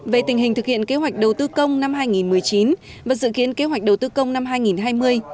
về tình hình thực hiện kế hoạch đầu tư công năm hai nghìn một mươi chín và dự kiến kế hoạch đầu tư công năm hai nghìn hai mươi